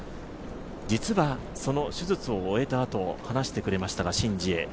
実はその手術を終えたあと話してくれましたが、シン・ジエ。